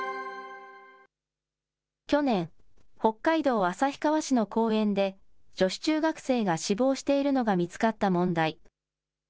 去年、北海道旭川市の公園で、女子中学生が死亡しているのが見つかった問題。